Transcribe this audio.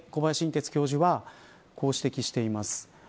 てつ教授はこう指摘しています。